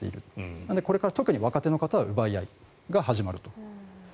なのでこれから特に若手の方の奪い合いが始まると。